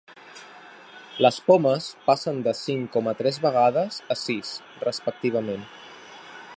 Les pomes passen de cinc coma tres vegades a sis, respectivament.